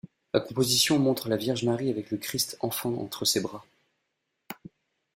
La composition montre la Vierge Marie avec le Christ enfant entre ses bras.